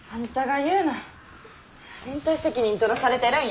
連帯責任取らされてるんや。